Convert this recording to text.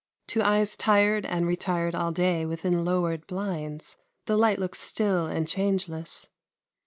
To eyes tired and retired all day within lowered blinds, the light looks still and changeless.